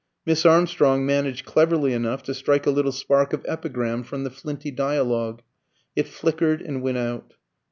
Miss Armstrong managed cleverly enough to strike a little spark of epigram from the flinty dialogue. It flickered and went out.